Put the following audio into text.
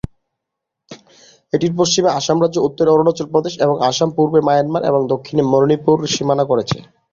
এটির পশ্চিমে আসাম রাজ্য, উত্তরে অরুণাচল প্রদেশ এবং আসাম, পূর্বে মায়ানমার এবং দক্ষিণে মণিপুর সীমানা করেছে।